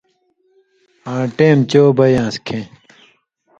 آں ٹېم چو بئ یان٘س کھیں